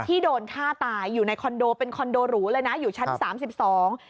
ที่โดนฆ่าตายอยู่ในคอนโดเป็นคอนโดหรูเลยนะอยู่ชั้นสามสิบสอง